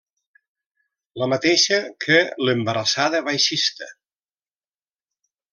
La mateixa que l'Embarassada baixista.